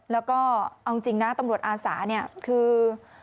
แล้วก็เอาจริงนะตำรวจอาสาเนี่ยคือ